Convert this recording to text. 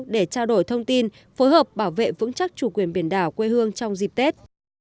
để trao đổi thông tin phối hợp bảo vệ vững chắc chủ quyền biển đảo quê hương trong dịp tết